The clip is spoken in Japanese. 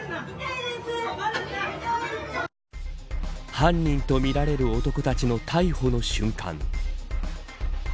犯人とみられる男たちの逮捕の瞬間。